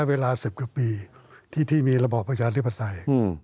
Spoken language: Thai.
เวลา๑๐กว่าปีที่มีระบอบประชาธิปไตย